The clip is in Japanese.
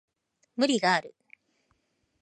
無理がある